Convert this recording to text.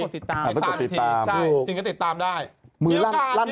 ติดตามมีควร